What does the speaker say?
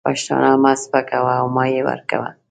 پښتانه مه سپکوه او مه یې ورکوه.